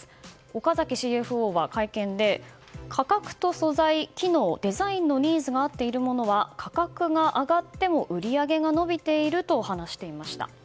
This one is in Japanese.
岡崎ＣＦＯは会見で価格と素材、機能デザインのニーズが合っているものは価格が上がっても売り上げが伸びていると話していました。